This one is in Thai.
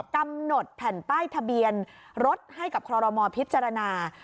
กำหนดแผ่นป้ายทะเบียนรถให้กับคอรมอลพิจารณา